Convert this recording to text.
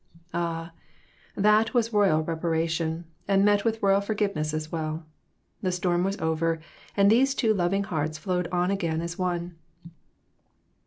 Ah, that was royal reparation, and met with royal forgiveness as well. The storm was over, and these two loving hearts flowed on again as one.